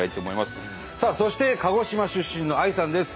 さあそして鹿児島出身のＡＩさんです。